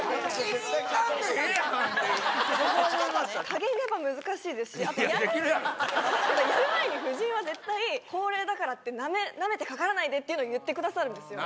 加減がやっぱり難しいですしあとやるやる前に夫人は絶対「高齢だからってなめてかからないで！」っていうのを言ってくださるんですよ。